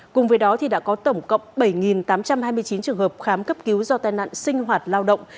cùng với đó đã có tổng cộng bảy tám trăm hai mươi chín trường hợp khám cấp cứu do tai nạn sinh hoạt lao động